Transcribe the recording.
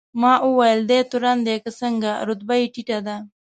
ما وویل: دی تورن دی که څنګه؟ رتبه یې ټیټه ده.